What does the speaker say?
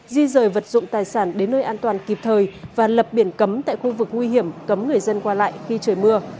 di rời vật dụng tài sản đến nơi an toàn kịp thời và lập biển cấm tại khu vực nguy hiểm cấm người dân qua lại khi trời mưa